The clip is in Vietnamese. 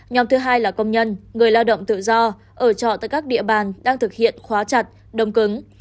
nhóm thứ hai là công nhân người lao động tự do ở trọ tại các địa bàn đang thực hiện khóa chặt đồng cứng